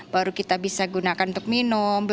baru kita bisa gunakan untuk minum